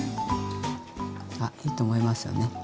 あっいいと思いますよね。